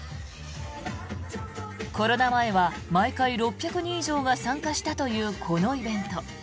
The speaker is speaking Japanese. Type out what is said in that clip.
コロナ前は毎回６００人以上が参加したというこのイベント。